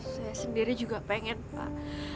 saya sendiri juga pengen pak